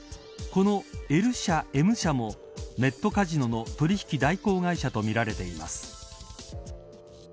このＬ社Ｍ社もネットカジノの取引代行会社とみられています。